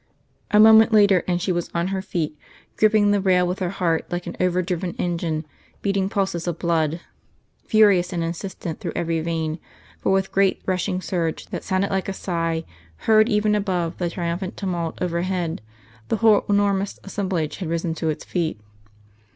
A moment later, and she was on her feet, gripping the rail, with her heart like an over driven engine beating pulses of blood, furious and insistent, through every vein; for with great rushing surge that sounded like a sigh, heard even above the triumphant tumult overhead, the whole enormous assemblage had risen to its feet.